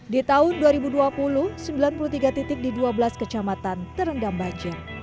di tahun dua ribu dua puluh sembilan puluh tiga titik di dua belas kecamatan terendam banjir